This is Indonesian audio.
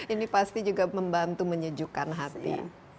ini pasti juga membantu menyejukkan hati